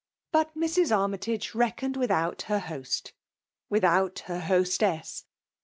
. jput Mrs. Armytage reckoned without h^f* host — without her hostess.